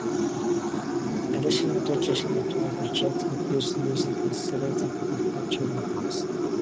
Additional applications of plant extracts include uses as a sedative and for treating coughs.